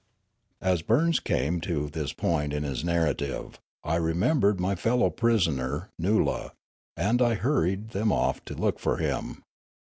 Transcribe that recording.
As Burns came to this point in his narrative, I re membered my fellow prisoner, Noola, and I hurried them off to look for him.